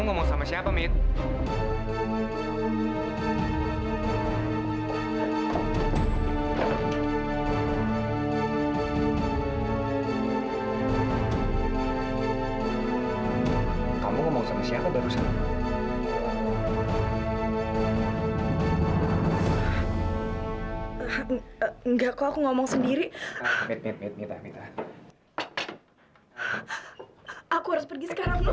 enggak aku antri